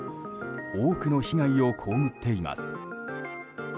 多くの被害を被っています。